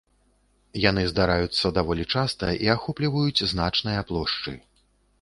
Яны здараюцца даволі часта і ахопліваюць значныя плошчы.